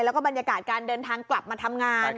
แล้วก็บรรยากาศการเดินทางกลับมาทำงาน